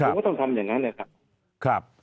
ผมก็ต้องทำอย่างนั้นแหละครับ